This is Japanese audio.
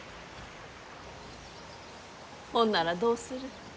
ほんならどうする？